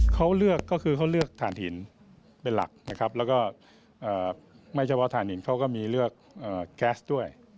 เขาเลือกก็คือเขาเลือกฐานหินเป็นหลักนะครับแล้วก็ไม่เฉพาะฐานหินเขาก็มีเลือกแก๊สด้วย